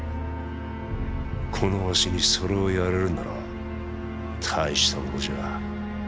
このわしにそれをやれるなら大した者じゃ。